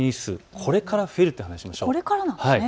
これから増えるという話をしましょう。